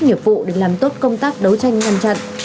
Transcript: nghiệp vụ để làm tốt công tác đấu tranh ngăn chặn